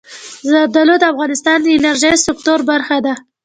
زردالو د افغانستان د انرژۍ سکتور برخه ده.